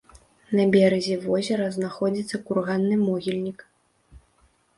На беразе возера знаходзіцца курганны могільнік.